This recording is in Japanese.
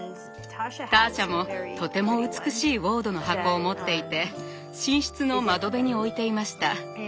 ターシャもとても美しいウォードの箱を持っていて寝室の窓辺に置いていました。